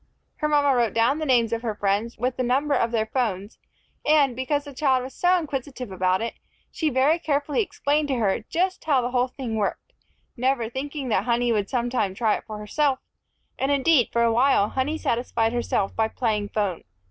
Her mama wrote down the names of her friends, with the number of their phones, and, because the child was so inquisitive about it, she very carefully explained to her just how the whole thing worked, never thinking that Honey would sometime try it for herself; and, indeed, for a while Honey satisfied herself by playing phone.